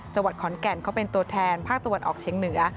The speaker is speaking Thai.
จังหวัดขอนแก่นเขาเป็นตัวแทนภาคตะวันออกเชียงเหนือ